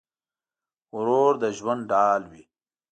ورور د ژوند ډال وي.